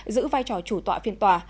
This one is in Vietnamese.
giữ vai trò chủ tọa phiên tòa